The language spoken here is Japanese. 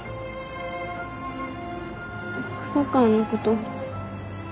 黒川のこと